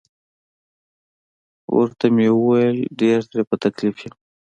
ورته مې وویل: ډیر ترې په تکلیف یم.